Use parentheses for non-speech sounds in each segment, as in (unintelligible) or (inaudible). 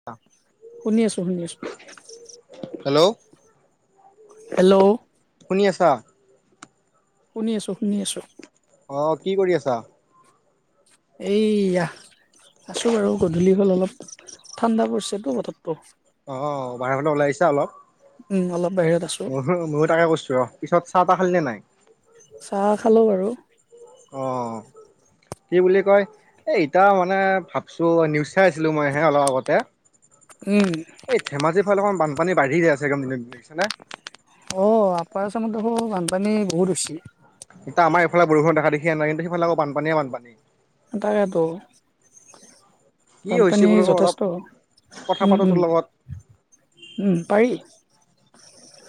(inaudible) শুনি আছো শুনি আছো হেল্ল' হেল্ল' শুনি আছা শুনি আছোঁ শুনি আছোঁ অ কি কৰি আছা এইয়া আছো বাৰু গধূলি হ'ল অলপ ঠাণ্ডা পৰিছেতো পথাৰটোো অ ব ভড়াখন ওলাই আহছো অলপ উম অলপাো ময়ো ময়ো তাকে কৈছো ৰ পিছত চাহ তাহ খালিনেে নাই চাহ খালোঁ বাৰু অ কি বুলি কয় এ এতিয়া মানে ভাবছো নিউজ চাই আছিলো মই হে অলপ আগতে এই এই ধেমাজিৰ ফালে অকমান বানপানী বাঢ়ি য আছে একছেে অঁ আপাৰেচনত দেখোঁ বানপানী বহুত হৈছে এ আমাৰফালে বষ দেখিয় নাই কিন্ত সাল আৌানীয়েোনী দাদাটো কি হৈছে বানপানী বোলো অলপ যথেষ্ট কথা পাতো তোৰ লগত পাৰি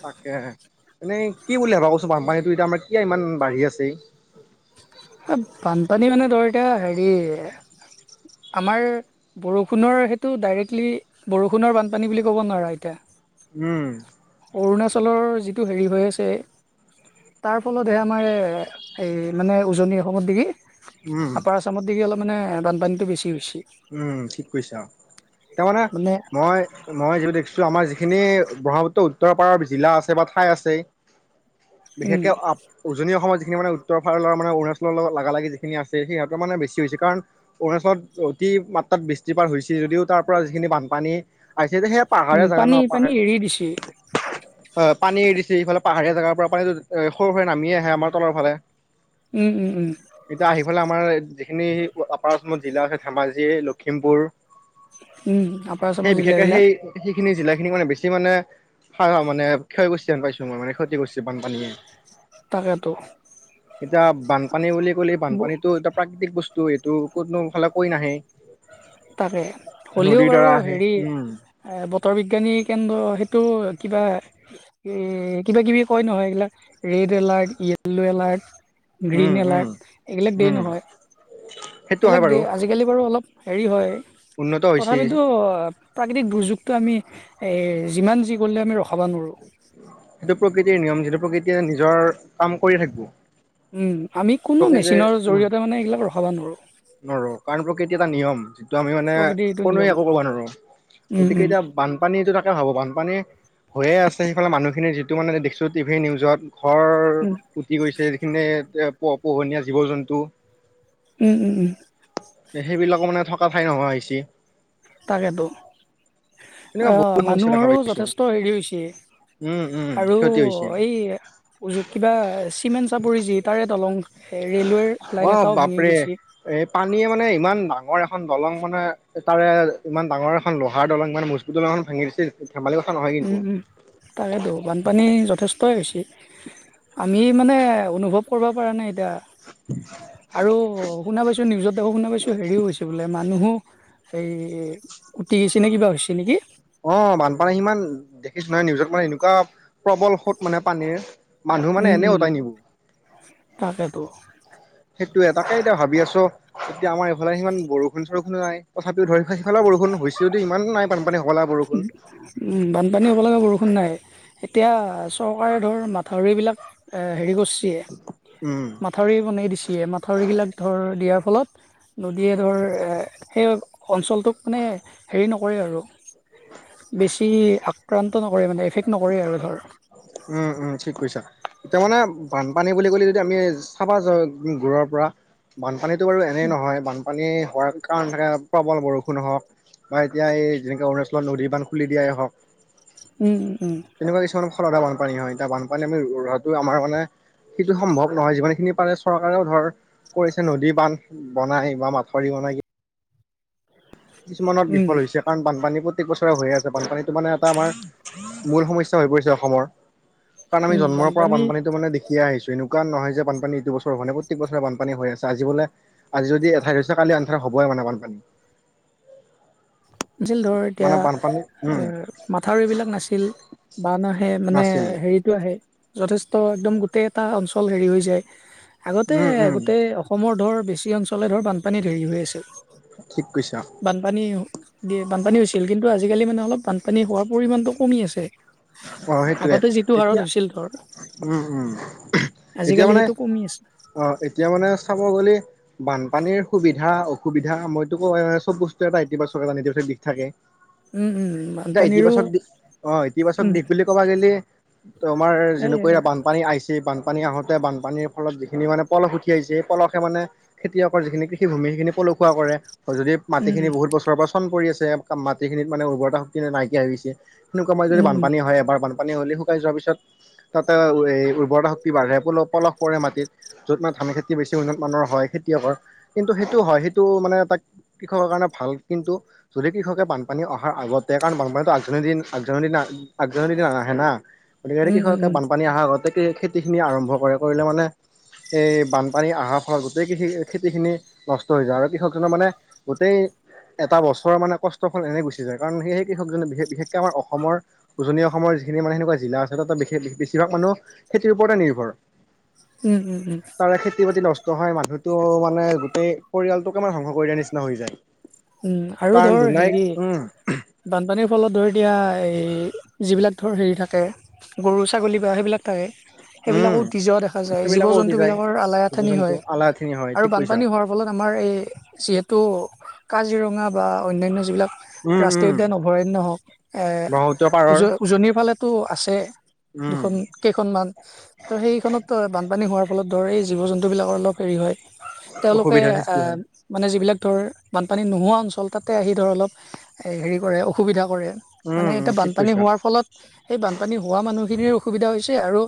তাকে এনেই কি বুলি ভাবা কছোন, বানপানীটো এতিয়া আমাৰ ক ইমান বাঢ়ি আছে? বানপানী মানে ধৰ এতিয়া, হেৰি আমাৰ বৰষুণৰ সেইটো ডাইৰেক্টলি, বৰষুণৰ বানপানী বুলি ক'ব নোৱাৰা এতিয়া। উম' অৰুণাচলৰ যিটো হেৰি হৈ আছে তাৰ ফলতহে আমাৰ, এ-এই মানে উজনি অসমত নেকি, উম আপাৰ আছামত অলপ মানে বানপানীটো বেছি হৈছে। উম' ঠিক কৈছা। তাৰ মানে মই মই যি দেখিছোঁ, আমাৰ যিখিনি ব্ৰহ্মপুত্ৰ উত্তৰ পাৰৰ জিলা আছে, বা ঠাই আছে উম বিশেষকে আ উজনি অসমৰ যিখিনি মানে উত্তৰ ভাতৰ মানে অৰুণাচৰ লাগালাগি যিখিনি আছে সিহঁতৰ মানে বেছি বেছি কাৰণ অৰুণাচলত অতি মাত্ৰাত বৃষ্টিপাত হৈছিল যদিও তাৰ পৰা যিখিনি বানপানী আহিছে যে সেইয়া উম পাহাৰে জাগা ন, পানী পানী পাহাৰ এৰি দিছে হয়', পানী এৰি দিছে ইফালে পাহাৰীয়া জেগাৰ পৰা পানীতটো সৰু সুৰে নামিয়ে আহে আমাৰ তলৰ ফালে উম', উম', উম' এতিয়া আহি পালে আমাৰ যিখিনি আপাৰ অসমত জিলা আছে ধেমাজি, লখিমপুৰ উম আপাৰ আছামৰ সেই বিশেষকে জিলাবিলাক সেই সেই যিখিনি জিলাখিনি মানে বেছি মানে সা মানে ক্ষয়গস্তি পাইছো (unintelligible) মানে ক্ষতি কৰিছে বানপানীয়ে। তাকেতো এতিয়া বানপানী বুলি ক'লে বানপানীটো এটা প্ৰাকৃতিক বস্তু, এইটো কোনো ফালে কৈ নাহে তাকে। হ'লেও নদীৰ বাৰু দ্বাৰা আহে হেৰি উম বতৰ বিজ্ঞানী কেন্দ্ৰ সেইটো কিবা এ, কিবা কিবি কয় নহয় এইগিলাক red alert yellow alert green um um alert এইবিলাক দডে উম নহয়, সেইটো সেইবিলাক হয় ডে বাৰু আজিকালি আজিকালি বাৰু অলপ হেৰি হয়। উন্নত হৈছে। তথাপিতো প্ৰাকৃতিক দুৰ্যোগটো আমি যিমান যি কৰিলে আমি ৰখাব নোৱাৰোঁ। সেইটো প্ৰকৃতিৰ নিয়ম যিটো প্ৰকৃতিয়ে নিজৰ কাম কৰিয়ে থাকিব। উম, আমি কোনো প্ৰকৃতিৰ মেচিনৰ জৰিয়তে মানে এইগিলাক ৰখাব নোৱাৰোঁ। ন' ৰ কাৰণ প্ৰকৃতি এটা নিয়ম। তো আমি মানে প্ৰকৃতিৰ এইটো কোনোৱে নিয়ম। একো ক'ব নোৱাৰোঁ। উম, গতিকে উম, এতিয়া বানপানীটো তাকে ভাবোঁ বানপানী হৈয়ে আছে সেইফালে মানুহখিনিৰ যিটো মানে দেখছোঁ টিভি নিউজত ঘৰ উম। উুটি গৈছে, যিখিনি প -পোহনীয়া জীৱ জন্তু উম, উম, উম। তে সেইবিলাক মানে থকা ঠাই নহোৱা হৈছে। তাকেতো। এ, তেনেকুৱা বহুত সমস্যা দেখা মানুহৰো পাইছো যথেষ্ট হেৰি হৈছে। উম উম আৰু ক্ষতি হৈছে এই উজু, কিবা চিমেণ্ট চাপৰি যি তাৰে দলং ৰেলৱেৰ অ লাইন এটাও ভাঙি বাপৰে গৈছে। এই পানীয়ে মানে ইমান ডাঙৰ এখন দলং মানে তাৰে ইমান ডাঙৰ এখন লোহাৰ দলং মানে মুজ দলং এখন ভাঙি দিছিল। ধেমালি কথা নহয় উম, কিন্তু উম, তাকেতো, বানপানী যথেষ্টই হৈ গৈছে। আমি মানে অনুভৱ কৰিব পৰা নাই এতিয়া। (inaudible) আৰু শুনা পাইছোঁ, নিউজতো শুনা পাইছোঁ হেৰিও হৈছে বোলে মানুহো সেই উুটি গৈছে নে কিবা হৈছে নেকি। অ' বানপানী সিমান দেখিছোঁ নহয় নিউজত মানে এনেকুৱা প্ৰবল সোত মানে পানীৰ। মানুহ মানে উম, এনে উম, উটাই নিব। তাকেতো। সেইটোয়ে, তাকে এতিয়া ভাবি আছোঁ এতিয়া আমাৰ এইফালে সিমান বৰষুণ চৰষুণো নাই। তথাপিও ধৰি ফাই সেইফালেওঁ বৰষুণ হৈছেও দে ইমান নাই পানপানী হ উম, বানপানী হ'ব লাগে বৰষুণ নাই। এতিয়া চৰকাৰে ধৰ মাথাউৰিবিলাক এ, হেৰি কৰিছে। উম মাথাউৰি বনাই দিছে, মাথাউৰিবিলাক ধৰ দিয়াৰ ফলত নদীয়ে ধৰ সেই অঞ্চলটোক মানে হেৰি নকৰে আৰু। (inaudible) বেছি আক্ৰান্ত নকৰে মানে, এফেক্ট নকৰে আৰু ধৰ। উম, উম, ঠিক কৈছা। এতিয়া মানে বানপানী বুলি ক'লে যদি আমি চাবা যাওঁ গুৰৰ পৰা। বানপানীতো বাৰু এনেই নহয় বানপানী হোৱাৰ কাৰণ থাকে। প্ৰবল বৰষুণ হওক বা এতিয়া এই যেনেকৈ অৰুণাচলত নদীৰ বান্ধ খুলি দিয়াই হওক। উম, উম, উম। তেনেকুৱা কিছুমান ফলতে বানপানী হয়। এতিয়া বানপানী আমি ৰোৱাটো আমাৰ মানে সেইটো সম্ভৱ নহয়, যিমানখিনি পাৰে চৰকাৰেও ধৰ কৰিছে নদী বান্ধ বনাই বা মাথাউৰি বনাই। কিছুমানত উম বিফল হৈছে। কাৰণ বানপানী প্ৰত্যেক বছৰে হৈয়ে আছে, বানপানীটো মানে এটা আমাৰ মূল সমস্যা হৈ পৰিছে অসমৰ। কাৰণ আমি উম জন্মৰপৰা বানপানী বানপানীটো মানে দেখিয়ে আহিছোঁ এনে কুৱা নহয় যে বানপানী এইটো বছৰ হোৱা নাই, প্ৰত্যেক বছৰে বানপানী হৈ আছে, আজি বোলে আজি যদি এঠাইত হৈছে কালি আনঠাইত হ'বই মানে বানপানী। যিল ধৰ এতিয়া মানে বানপানী উম এ, মাথাউৰিবিলাক নাছিল বা ন' সেই মানে নাছিল হেৰিত আহে যথেষ্ট একদম গোটেই এটা অঞ্চল হেৰি হৈ যায়। আগতে উম উম গোটেই অসম অসমৰ ধৰ বেছি অঞ্চলে ধৰ বানপানী ধেৰি হৈ আছিল। ঠিক কৈছা। বানপানী দিয় বানপানী হৈছিল, কিন্তু আজিকালি মানে অলপ বানপানী হোৱাৰ পৰিমণটো কমি আছে। অহ, সেইটোৱে আগতে যিটো হাৰত এতিয়া হৈছিল ধৰ উম, উম। আজিকালি সেইটো কমি আছে। অহ, এতিয়া মানে চাব গ'লে বানপানীৰ সুবিধা অসুবিধা মইতো কোৱাই নাই, চব বস্তু এটা ইতিবাচক এটা নিৰ্দিষ্ট দিশ থাকে। উম উম এটা বানপানীৰো ইতিবাচত দি, হয়। ইতিবাচক উম দিশ বুলি ক'বা গেলী তোমাৰ এই যেনেকৈ এয়া বান বানপানী আইছি বানপানী আহোঁতে বানপানীৰ ফলত যিখিনি মানে পলস উঠি আহিছে, সেই পলসে মানে খেতিয়কৰ যিখিনি কৃষিভূমি সেইখিনি পলসুৱা কৰে। যদি উম মাটিখিনি বহুত বছৰৰ পৰা চন পৰি আছে, মাটিখিনিত মানে উৰ্বৰতা শক্তি নাইকিয়া হৈ গৈছে। সেনেকুৱা মই উম বানপানী হয় এবাৰ, বানপান হ'লে শুকাই যোৱাৰ পিছত তাতে উৰ্বৰতা শক্তি বাঢ়ে, পল-পলস পৰে মাটিত। য'ত মানে ধান খেতি বেছি উন্নত মানৰ হয় খেতিয়কৰ। কিন্তু সেইটো হয় সেইটো মানে এটা কৃষকৰ কাৰণে ভাল কিন্তু যদি কৃষকে বানপানী অহাৰ আগতে কাৰণ, বানপানীতো আগজাননী দিন আগজাননী আগজানহী দিহে না, উম গতিকে উম উম উম কৃষকে অহাৰ আগতে খেতিখিনি আৰম্ভ কৰে, কৰিলে মানে এই বানপানী আহাৰ ফলত গোটেই কৃষি খেতিখিনি নষ্ট হৈ যায় আৰু কৃষকজনৰ মানে গোটেই এটা বছৰৰ মানে কষ্টৰফল এনেই গুচি যায় কাৰণ, সেই সেইকৃষকজনে বিশ-বিশেষকে আমাৰ অসমৰ উজনি অসমৰ যিখিনি মানে সেনেকুৱা জিলা আছে, তাতে বেছিভাগ মানুহ খেতিৰ ওপৰতে নিৰ্ভৰ। উম', উম', উম'। তাৰে খেতি-বাতি নষ্ট হয় মানুহতটো মানে গোটেই পৰিয়ালটোকে মানে ধ্বংস কৰি দিয়াৰ নিচিনা হৈ যায়। উম, আৰু কাৰণ ধৰ দুনাই হেৰি উম বানপানীৰ ফলত ধৰি এতিয়া এই যিবিলাক ধৰ হেৰি থাকে। গৰু-ছাগলী বা সেইবিলাক থাকে। উম সেইবিলাকো উটি যোৱা দেখা যায়। সেইবিলাকো উটি যায়। জীৱ-জন্তুবিলাকৰ আলাই জীৱ আথানি জন্তু হয় আলাহখিনি হয় আৰু ঠিক কৈছা বানপানী হোৱাৰ ফলত আমাৰ এই যিহেতু কাজিৰঙা বা অন্যান্য যিবিলাক উম ৰাষ্ট্ৰীয় উম উদ্যান অভয়াৰণ্য হওঁক এ ব্ৰহ্মপুত্ৰ পাৰৰ উজ-উজনিৰ ফালেতো আছে উম দুখন। কেইখনমান ত' সেইখনত বানপানী হোৱাৰ ফলত ধৰ এই জীৱ-জন্তুবিলাকৰ অলপ হেৰি হয়। তেওঁলোকে অসুবিধাৰ সৃষ্টি এ হয় মানে যিবিলাক ধৰ বানপানী নোহোৱা অঞ্চল তাতে, আহি ধৰ অলপ হেৰি কৰে অসুবিধা কৰে। মানে উম উম এতিয়া ঠিক বানপানী কৈছা হোৱাৰ ফলত, সেই বানপানী হোৱা মানুহখিনিৰ অসুবিধা হৈছে আৰু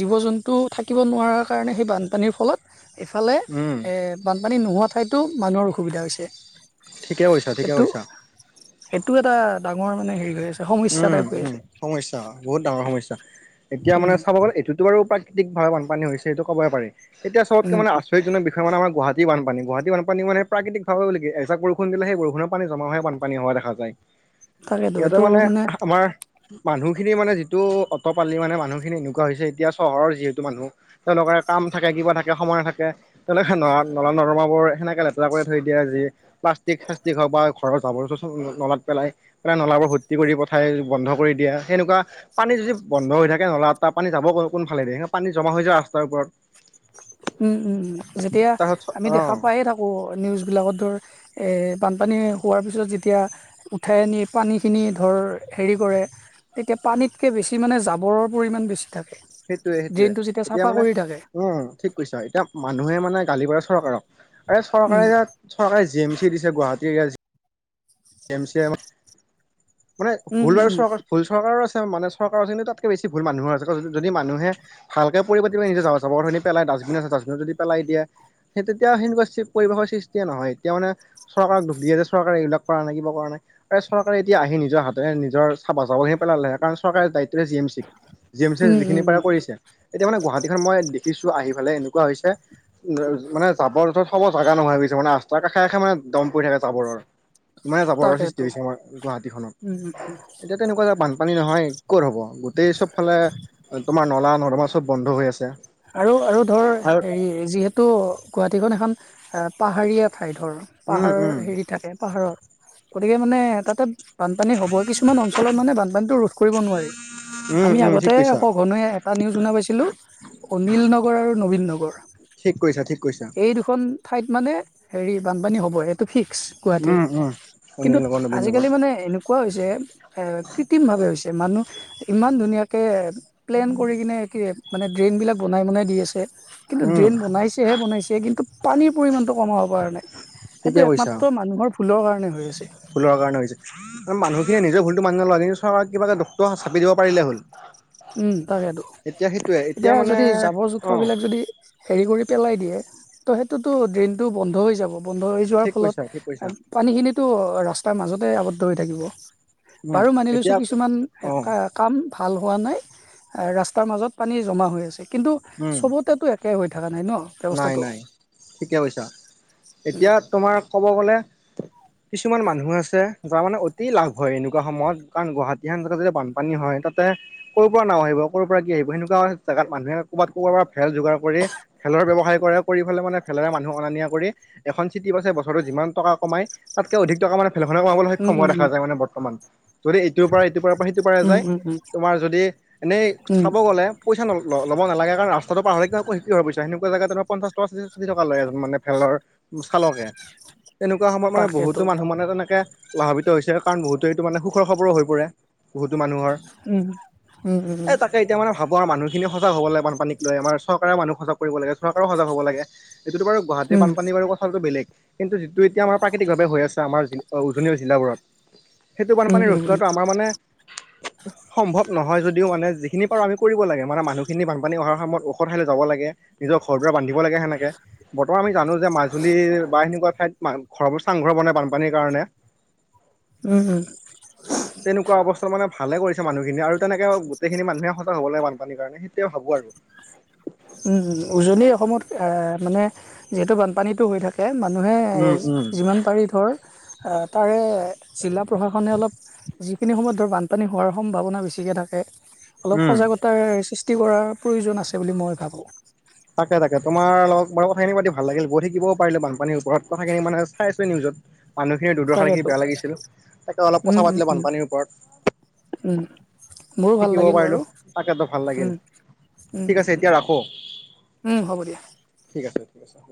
জীৱ-জন্তু থাকিব নোৱাৰাৰ কাৰণে সেই বানপানীৰ ফলত এইফালে উম। এ বানপানী নোহোৱা ঠাইতো মানুহৰ অসুবিধা হৈছে। ঠিকে কৈছা, ঠিকে কৈছা। সেইটো এটা ডাঙৰ মানে হেৰি হৈ আছে। সমস্যা টাইপ উম', হৈ আছে উম' সমস্যা বহুত ডাঙৰ সমস্যা। এতিয়া মানে উম চাব গ'লে এইটো এইটো বাৰু প্ৰাকৃতিক ভাৱে বানপানী হৈছে সেইটো ক'বয়ে পাৰি, এতিয়া চবতকে উম মানে আচৰ্যজনক বিষ বিশেষকে মানে আমৰ গুৱাহাটী বানপানী, গুৱাহাটী বানে প্ৰাকৃতিক ভাৱে বুলি কি, এজাক বৰষুণ দিলে সেই বৰষুণৰ পানী জমা হৈ বানপানী হোৱা দেখা যায়। (inaudible) ইয়াতে মানে আমাৰ মানুহখিনি মানে যিটো অটপালি মানে মানুহখিনি এনেকুৱা হৈছে এতিয়া চহৰৰ যিহেতু মানুহ। তেওঁলোকৰ কাম থাকে কিবা থাকে সময় থাকে। তেওঁলোকে নলা, নলা-নৰ্দমাবোৰ সেনেকে লেতেৰা কৰি থৈ দিয়ে যি। প্লাষ্টিক চািক হওক বা ঘৰৰ জাবৰ নলাত পেলাই, পেলাই নলাব বোৰ ভৰ্তি কৰি ঠাই বন্ধ কৰি দিয়া সেনেকুৱা পানী যদি বন্ধ হৈ থাকে নলা ত পানী যাব কোনালে দে পানী জমা হৈ যায় ৰাস্তাৰ ওপৰত উম, উম, যেতিয়া তাৰপাছত আমি দেখা অ পাইে থাকো। আকৌ নিউজবিলাকত ধৰ বানপানী হোৱাৰ পিছত যেতিয়া উঠাই নি, পানীখিনি ধৰ হেৰি কৰে। তেতিয়া পানীতকৈ বেছি মানে জাবৰৰ পৰিমাণ বেছি থাকে ড্ৰেইনটো যেতিয়া চাফা কৰি থাকে। উ, ঠিক কৈছ এতিয়া মানুহে মানে গালি পাৰে চৰকাৰক আৰুৰে উম, চৰকাৰে যোত চৰকাৰে জি এম চি দিছে গুৱাহাটী এম চি এম মানে উম, ভুল উম, আৰু উম, চৰকাৰ ভুল চৰকাৰো আছে মানে চৰকাৰৰ কিন্তু তাতকে বেছি ভুল মানুহো আছে যদি মানুহে ভালকে পৰি পাতিব নিজে চাবৰ ধনি পেলাই ডাষ্টবিন আছে ডাবত যদি পেলাই দিয়া। সেই তেতিয়া সেনেকুৱা পৰিৱেশৰ সৃষ্টিয়ে নহয় এতিয়া মানে। চৰকাৰক ঢুকি আছে চৰকাৰে এইবিলাক কৰা নাই কিবা কৰা নাই আৰু চৰকাৰে এতিয়া আহি নিজৰ হাতে নিজৰ চাবা চাবলৈহি পেলালে কাৰণ চৰকাৰে দায়িত্ব তেয়া G M C G M C উম, উম, যিখিনিৰ উম, পৰা কৰিছে এতিয়া মানে গুৱাহাটীখন মই দেখিছো আহি ফালে এনেকুৱা হৈছে। উ, মানে যাবৰ যত সব জাগা নহয় গৈছে মানেস্তাৰ কাষে কষে মানে দম পৰি থাকে। জাবৰৰ ইমানে জাবৰৰ তাকেতো সৃষ্টি হৈছে আমাৰ উম, উম, গুৱাহাটীখনত এতিয়া তেনেকুৱা যে বানপানী নহয় ক'ত হ'ব গোটেই চবফালে তোমাৰ নলা, নদমা চব বন্ধ হৈ আছে। আৰু, আৰু ধৰ আৰু হেৰি যিহেতু গুৱাহাটীখন এখন পাহাৰীয়া ঠাই ধৰ উম পাহাৰৰ উম হেৰি থাকে পাহাৰত গতিকে মানে তাতে বানপানী হ'ব কিছুমান অঞ্চলত মানে বানপানীটো ৰোধ কৰিব নোৱাৰি। উম আমি উম আগতে ঠিক কৈছা সঘনে এটা নিউজ শুনা পাইছিলোঁ। অনিল নগৰ আৰু নবীন নগৰ ঠিক কৈছা ঠিক কৈছা এই দু এখন ঠাইত মানে হেৰি বানপানী হ'ব এইটো ফিক্স। গুৱাহাটীৰ উম উম কিন্তু অনিল নগৰ নবীন নগৰ আজিকালি মানে এনেকা কোৱা হৈছে কৃত্ৰিমভাৱে হৈছে মানুহ ইমান ধুনীয়াকৈ প্লেন কৰি কিনে কি মানে ড্ৰেইন বিলাক বনাই, বনাই দি আছে। কিন্তু উম ড্ৰেইন বনাইছেহে বনাইছে কিন্তু পানীৰ পৰিমাণটো কমাব পৰা নাই। ঠিকে সেইটো একমাত্ৰ মানুহৰ ভুলৰ কাৰণে হৈ আছে। ফুলৰ কাৰণে হৈছে। মানুহখিনিয়ে নিজৰ ভুলতটো মানি নলয় কিন্তু চৰকাৰ কিবাটা ডক্তৰ চাপ দিব পাৰিলে হ'ল। উম, তাকেইেতটো এতিয়া সেইটোয়ে এতিয়া মানে যদি জাবৰ অ জোথৰ বিলাক যদি হেৰি কৰি পেলাই দিয়ে তো সেইটোতো ড্ৰেইনটো বন্ধ হৈ যাব। বন্ধ হৈ যোৱাৰ ঠিক ফলত কৈছা ঠিক কৈছা পানীখিনিতো ৰাস্তাৰ মাজতে আৱদ্ধ হৈ থাকিব। উম বাৰু মানি লৈছো এতিয়া কিছুমান অ কাম ভাল হোৱা নাই ৰাস্তাৰ মাজত পানী জমা হৈ আছে কিন্তু উম চবতো এক একে হৈ থকা নাই ন, নাই ব্যৱস্থাটো। নাই ঠিকে কৈছা এতিয়া তোমাৰ ক'ব গ'লে কিছুমান মানুহ আছে যাৰ মানে অতি লাভ হয় এনেকুৱা সময়ত কাৰণ গুৱাহাটী এানগাত যেতিয়া বান পানী হয় তাতে। ক'ৰ পৰা না আহিব ক'ৰ পৰা কি আহিব সেনেকুৱা জোগাত মানুহে ক'ৰবাত ক'ৰব পৰা ভেল যোগাৰ কৰি খেলৰ ব্যৱসায় কৰে কৰি পেলাই মানে ফেলেৰে মানুহ অনা, নিয়া কৰি এখন চিটি বাছে, বছৰতো যিমান টকা কমাই তাতকে অধিক টকা মানে ফেলখননে কমাবলৈ উম সক্ষমো হোৱা দেখা উম যায় মানে বৰ্তমান যদি ইটোৰ পৰা ইটোৰ পৰা সিটোৰ পৰা উম যায় উম উম তোমাৰ যদি এনেই উম চাব গ'লে পইচা ল'ব নালাগে কাৰণ ৰাস্তাটো পাহৰি কি সেনেকুৱা জাগাত ত, পঞ্চাশ ট, ষাঠি টকা লয় এজন মানে ভেলৰ চালকে। তেনেকুৱা সময়ত মানে বহুতো তাকেতো মানুহ মানে তেনেকে লাভাৱিত হৈছে কাৰণ বহুতো এইটো মানে সুখৰ খবৰো হৈ পৰে। বহুতো মানুহৰ উম উম এ, উম তাকেই। এতিয়া মানে মানুহসিনি সজাগ হ'ব লাগে বানপানীক লৈ আমাৰ চৰকাৰে মানুহ সজাগ কৰিবা লাগে চৰকাৰে সজাগ হ'ব লাগে। এইটোতো বাৰো উম উম গুৱাহাটীৰ বানপানী বাৰু কথাটো বেলেগ। কিন্তু যিটো এতিয়া আমাৰ প্ৰাকৃতিকভাৱে হৈ আছে আমাৰ উজনীয়া জিলাবোৰত। সেইটো বানপানী উম ৰোধ উম কৰাটো আমাৰ মানে সম্ভৱ নহয় যদিও মানে যিখিনি পাৰো আমি। কৰিব লাগে মানে মানুহখিনি বানপান অহাৰ সময়ত ওখ ঠাইলৈ যাব লাগে। নিজৰ ঘৰ দৰে বান্ধিব লাগে সেনেকে বৰ্তমান আমি জানো যে মা জুলি বা সেনেকুৱা ঠাইত ঘৰৰোৰ চাংঘৰ বনে বানপানীৰ কাৰণে। উম, উম, তেনেকুৱা অৱস্থা মানে ভালে কৰিছে মানুহখিনি আৰু তেনেকে গোটেইখিনি মানুহে সজাগ হ'বলৈ বানপানীৰ কাৰণে সিটো ভাবো আৰু। উজনি অসমত মানে যিহেতু বানপানীটো হৈ থাকে। তাক মানুহে উম উম যিমান পাৰি ধৰ আ তাৰে জিলা প্ৰশাসনে অলপ। যিখিনি সময়ত ধৰ বানপানী হোৱাৰ সম্ভাৱনা বেছিকে থাকে অলপ উম। সজাগতাৰ চ তিৰ, কৰাৰ প্ৰয়োজন আছে বুলি মই ভাবোঁ। তাকে তাকে তোমাৰ লগত বাৰু কথাখিনিও পাতি ভাল লাগিল গৈ থাকিবও পাৰে বানপানীৰ ওপৰত কথাখিনি মানে চাইছো নিউজত। মানুহখিনিৰ দুৰ্দৰ্শা দেখি তাকেতো বেয়া লাগিছিল তাকে অলপ উম কথা উম পাতিলে উম বানপানীৰ উম ওপৰত। মোৰো ভাল শিকিব লাগিল পাৰিলো বাৰু তাকেতো ভাল উম লাগিল। উম ঠিক উম আছে এতিয়া ৰাখোঁ। উম, হ'ব দিয়া। ঠিক আছে ঠিক আছে হ'ব।